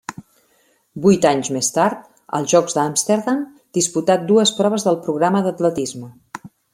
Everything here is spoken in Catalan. Vuit anys més tard, als Jocs d'Amsterdam, disputà dues proves del programa d'atletisme.